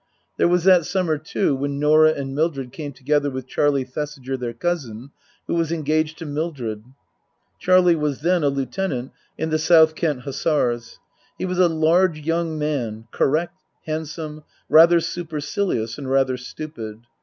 There was that summer, too, when Norah and Mildred came together with Charlie Thesiger, their cousin, who was engaged to Mildred. Charlie was then a lieutenant in the South Kent Hussars. He was a large young man, correct, handsome, rather supercilious and rather stupid.